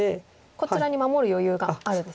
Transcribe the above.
こちらに守る余裕があるんですね。